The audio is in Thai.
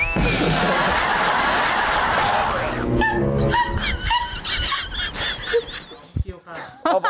อ้าวปลดกระดุมให้หน่อย